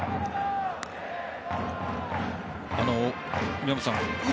宮本さん